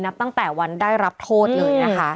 นับตั้งแต่วันได้รับโทษเลยนะคะ